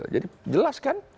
jadi jelas kan